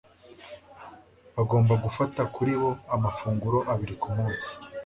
bagomba gufata Kuri bo amafunguro abiri ku munsi